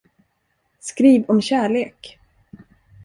Skriv om kärlek!